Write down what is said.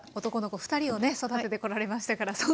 男の子２人をね育ててこられましたから。